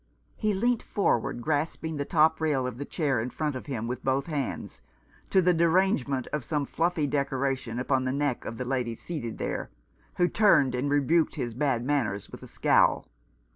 He leant forward, grasping the top rail of the chair in front of him with both hands, to the derangement of some fluffy decoration upon the neck of the lady seated there, who turned and rebuked his bad manners with a scowl.